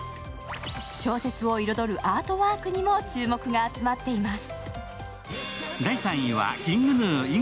小説を彩るアートワークにも注目が集まっています。